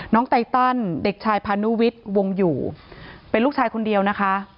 ไตตันเด็กชายพานุวิทย์วงอยู่เป็นลูกชายคนเดียวนะคะ